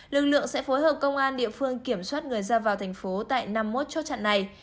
lực lượng sẽ phối hợp công an địa phương kiểm soát người ra vào thành phố tại năm mươi một chốt chặn này